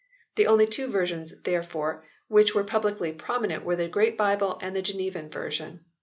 The only two versions, therefore, which were publicly prominent were the Great Bible and the Genevan version.